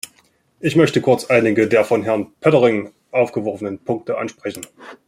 Ich möchte kurz einige der von Herrn Poettering aufgeworfenen Punkte ansprechen.